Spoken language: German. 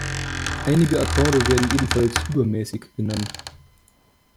Einige Akkorde werden ebenfalls "übermäßig" genannt.